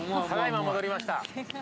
ただいま戻りました。